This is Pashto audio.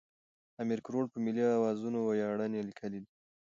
امیر کروړ په ملي اوزانو ویاړنې لیکلې دي.